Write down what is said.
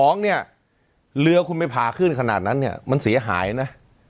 สองเนี่ยเรือคุณไปพาขึ้นขนาดนั้นเนี่ยมันเสียหายนะ